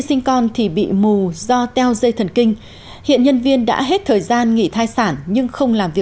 xin chào và hẹn gặp lại